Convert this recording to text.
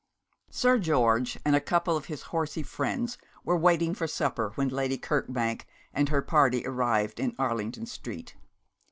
Sir George and a couple of his horsey friends were waiting for supper when Lady Kirkbank and her party arrived in Arlington Street.